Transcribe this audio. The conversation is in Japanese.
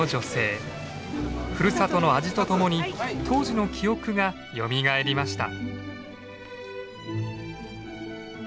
ふるさとの味とともに当時の記憶がよみがえりました。